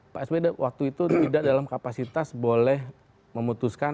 pak sby waktu itu tidak dalam kapasitas boleh memutuskan